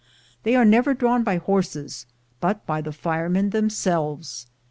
They are never drawn by horses, but by the firemen them selves.